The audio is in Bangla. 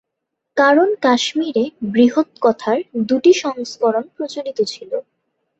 কারণ কাশ্মীরে "বৃহৎকথা"র দুটি সংস্করণ প্রচলিত ছিল।